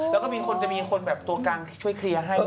แล้วก็มีคนจะมีคนแบบตัวกลางช่วยเคลียร์ให้